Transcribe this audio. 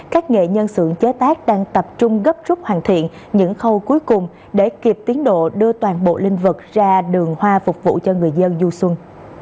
các nghệ nhân xưởng chế tác đang tập trung gấp rút hoàn thiện những khâu cuối cùng để kịp tiến độ đưa toàn bộ linh vật ra đường hoa phục vụ cho người dân du xuân